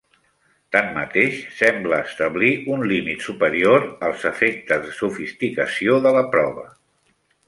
Tanmateix, sembla establir un límit superior als efectes de sofisticació de la prova.